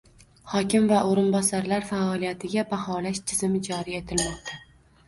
Hokim va o‘rinbosarlar faoliyatiga baholash tizimi joriy etilmoqda